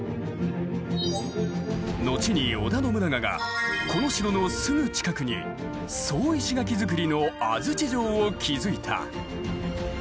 後に織田信長がこの城のすぐ近くに総石垣造りの安土城を築いた。